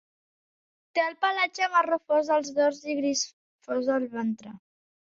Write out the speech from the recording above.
Té el pelatge marró fosc al dors i gris fosc al ventre.